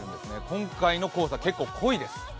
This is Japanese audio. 今回の黄砂、結構濃いです。